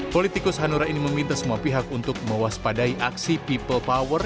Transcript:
politikus hanura ini meminta semua pihak untuk mewaspadai aksi people power